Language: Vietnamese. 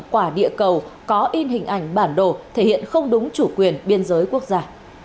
quả địa cầu có in hình ảnh bản đồ thể hiện không đúng chủ quyền biên giới quốc gia